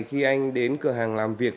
khi anh đến cửa hàng làm việc